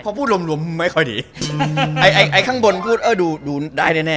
พอพูดลมไม่ค่อยดีไอข้างบนดูดูได้แน่